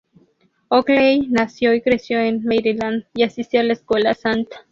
Oakley nació y creció en Maryland, y asistió a la escuela "St.